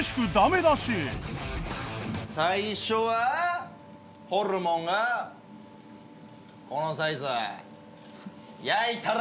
最初はホルモンがこのサイズ。